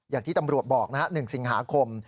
อย่างที่ตำรวจบอกนะฮะ๑สิงหาคม